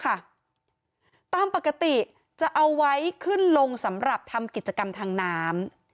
ตามปกติจะเอาไว้ขึ้นลงสำหรับทำกิจกรรมทางน้ำ